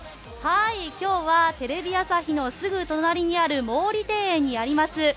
今日はテレビ朝日のすぐ隣にある毛利庭園にあります